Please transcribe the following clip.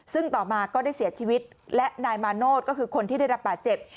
ซึ่งต่อมาก็ได้เสียชีวิตและนายมาโนธก็คือคนที่ได้รับบาดเจ็บ